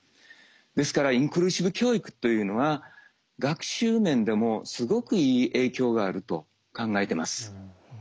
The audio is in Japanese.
ですからインクルーシブ教育というのは学習面でもすごくいい影響があると考えてます。